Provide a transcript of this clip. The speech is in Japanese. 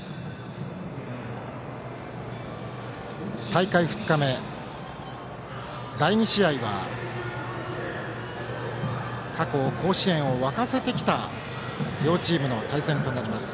大会２日目、第２試合は過去、甲子園を沸かせてきた両チームの対戦となります。